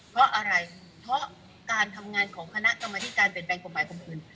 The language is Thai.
เพราะอะไรเพราะการทำงานของคณะกรรมธิการเปลี่ยนแปลงกฎหมายคนอื่น